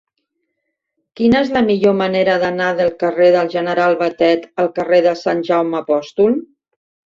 Quina és la millor manera d'anar del carrer del General Batet al carrer de Sant Jaume Apòstol?